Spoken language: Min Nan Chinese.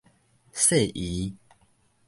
細姨